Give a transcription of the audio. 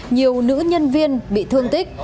nhiều nữ nhân viên bị thương tích